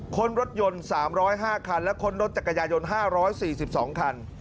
ค้นรถยนต์๓๐๕คันและค้นรถจักรยายน๕๔๒คัน